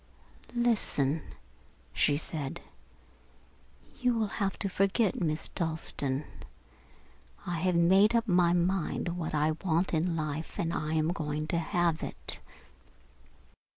"Listen," she said. "You will have to forget Miss Dalstan. I have made up my mind what I want in life and I am going to have it.